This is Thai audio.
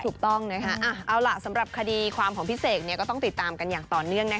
ถูกต้องนะคะเอาล่ะสำหรับคดีความของพี่เสกก็ต้องติดตามกันอย่างต่อเนื่องนะคะ